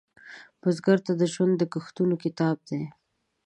بزګر ته ژوند د کښتونو کتاب دی